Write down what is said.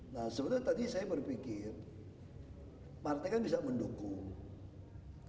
nah sebenarnya tadi saya berpikir partai kan bisa mendukung